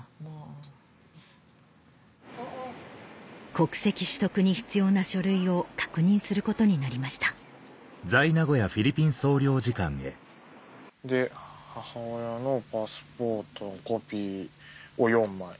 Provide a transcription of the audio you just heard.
国籍取得に必要な書類を確認することになりましたで母親のパスポートのコピーを４枚。